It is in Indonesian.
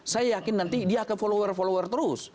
saya yakin nanti dia akan follower follower terus